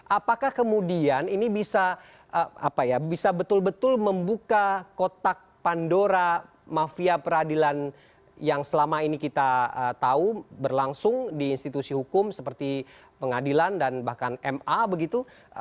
apakah kemudian ini bisa betul betul membuka kotak pandora mafia peradilan yang selama ini kita tahu berlangsung di institusi hukum seperti pengadilan dan bahkan ma begitu